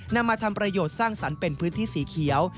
นำมาทำประโยชน์สร้างสรรค์เป็นพื้นที่สีเขียว